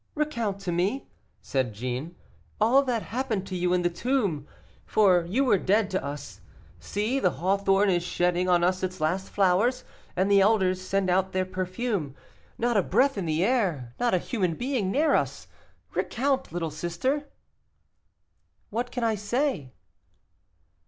"Recount to me," said Jeanne, "all that happened to you in the tomb, for you were dead to us. See, the hawthorn is shedding on us its last flowers, and the elders send out their perfume. Not a breath in the air, not a human being near us; recount, little sister." "What can I say?"